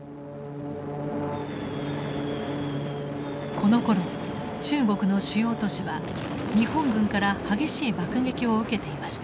このころ中国の主要都市は日本軍から激しい爆撃を受けていました。